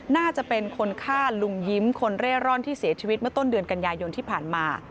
น่าจะเป็นคนฆ่าลุงยิ้มคนเร่ร่อนที่เสียชีวิตเมื่อต้นเดือนกันยายนที่ผ่านมา